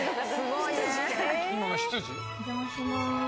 お邪魔します。